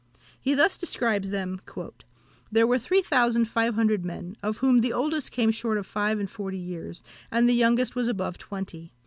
He thus describes them: "They were three thousand five hundred men, of whom the oldest came short of five and forty years, and the youngest was above twenty.